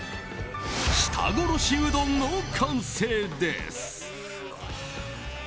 舌殺しうどんの完成です。